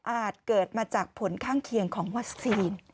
เกิดมาจากผลข้างเคียงของวัคซีน